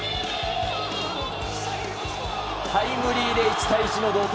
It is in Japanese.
タイムリーで１対１の同点。